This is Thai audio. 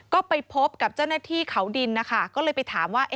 ก็ไปพบกับเจ้าหน้าที่เขาดินนะคะก็เลยไปถามว่า